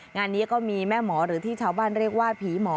งานนี้ก็มีแม่หมอหรือที่ชาวบ้านเรียกว่าผีหมอ